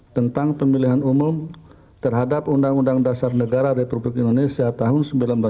tentang pemilihan umum terhadap undang undang dasar negara republik indonesia tahun seribu sembilan ratus empat puluh lima